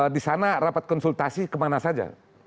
disana rapat konsultasi kemana saja